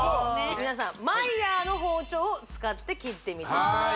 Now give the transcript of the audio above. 皆さんＭＥＹＥＲの包丁を使って切ってみてください